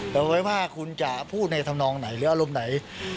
แต่ไว้ว่าคุณจะพูดในธรรมนองไหนหรืออารมณ์ไหน